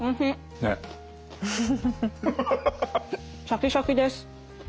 シャキシャキです。